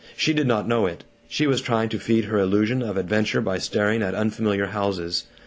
She did not know it. She was trying to feed her illusion of adventure by staring at unfamiliar houses